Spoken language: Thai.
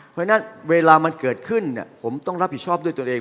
เพราะฉะนั้นเวลามันเกิดขึ้นผมต้องรับผิดชอบด้วยตัวเอง